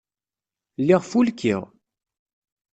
Lliɣ fulkiɣ.